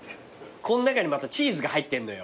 こん中にまたチーズが入ってんのよ。